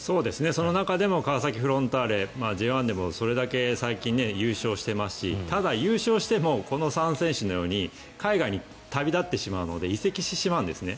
その中でも川崎フロンターレＪ１でもそれだけ最近、優勝していますしただ、優勝してもこの３選手のように海外に旅立ってしまうので移籍してしまうんですね。